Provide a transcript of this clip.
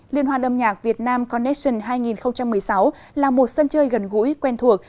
liên hoan âm nhạc việt nam connestion hai nghìn một mươi sáu là một sân chơi gần gũi quen thuộc